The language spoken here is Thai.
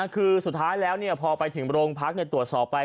คือสุดท้ายแล้วพอไปถึงโรงพักตรวจสอบไป